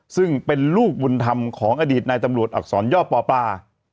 ซึ่งเป็นลูกบุญธรรมของอดีตนายตำรวจอักษรย่อปอปลา